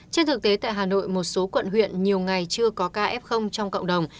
trên thực tế tại hà nội một số quận huyện nhiều ngày chưa có kf trong cộng đồng